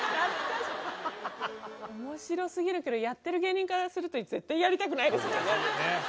面白すぎるけどやってる芸人からすると絶対やりたくないですけどね。